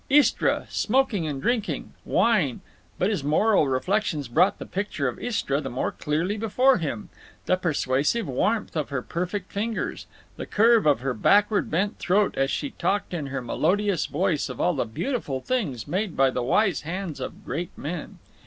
Istra…. Smoking and drinking wine…. But his moral reflections brought the picture of Istra the more clearly before him—the persuasive warmth of her perfect fingers; the curve of her backward bent throat as she talked in her melodious voice of all the beautiful things made by the wise hands of great men.